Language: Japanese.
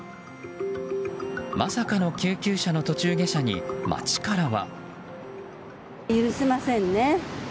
まさかの救急車の途中下車に街からは。